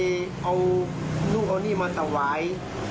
เอาลูกเอานี่มาตะวาย